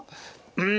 うん。